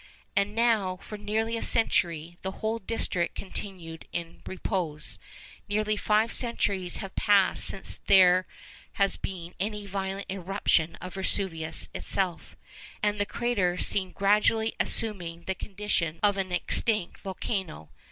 And now, for nearly a century, the whole district continued in repose. Nearly five centuries had passed since there had been any violent eruption of Vesuvius itself; and the crater seemed gradually assuming the condition of an extinct volcano.